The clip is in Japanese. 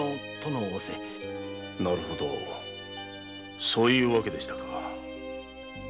なるほどそういうわけでしたか。